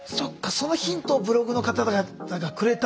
そのヒントをブログの方々がくれたんだ。